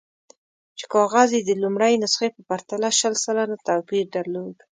چې کاغذ یې د لومړۍ نسخې په پرتله شل سلنه توپیر درلود.